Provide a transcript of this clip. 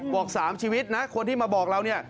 บอก๓ชีวิตนะคนที่มาบอกเราเนี่ย